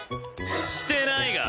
してないが？